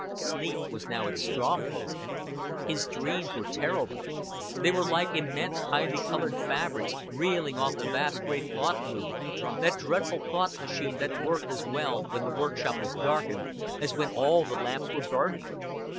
Sleep was now its stronghold. His dreams were terrible. They were like immense highly colored fabrics reeling off the vast gray thought loom that dreadful thought machine that worked as well when the workshop was darkened as when all the lamps were burning.